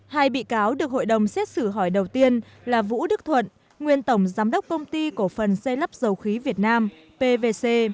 hai bị cáo được hội đồng xét xử hỏi đầu tiên là vũ đức thuận nguyên tổng giám đốc công ty cổ phần xây lắp dầu khí việt nam pvc